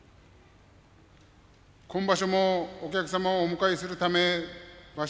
今場所もお客様をお迎えするため場所